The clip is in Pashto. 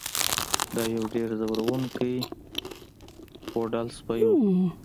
دا یو ډیر ځورونکی پوډل سپی و